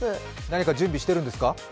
何か準備してるんですか？